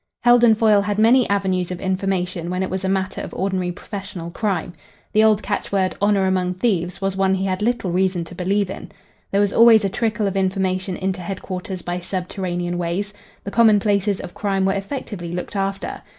Heldon Foyle had many avenues of information when it was a matter of ordinary professional crime. The old catchword, "Honour among thieves," was one he had little reason to believe in. There was always a trickle of information into headquarters by subterranean ways. The commonplaces of crime were effectively looked after.